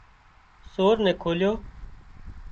سور نين کوليو